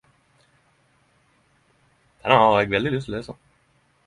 Denne har eg veldig lyst å lese.